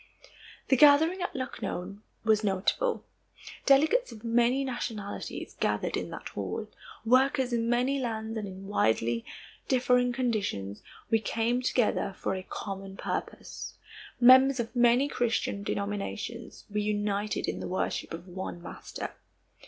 The gathering at Lucknow was notable. Delegates of many nationalities gathered in that hall. Workers in many lands and in widely differing conditions, we came together for a common purpose. Members of many Christian denominations, we united in the worship of one Master.